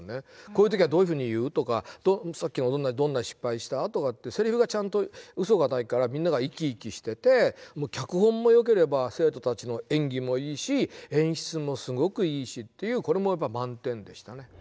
こういう時はどういうふうに言うとかとさっきもどんな失敗したとかってせりふがちゃんとうそがないからみんなが生き生きしてて脚本もよければ生徒たちの演技もいいし演出もすごくいいしこれも満点でしたね。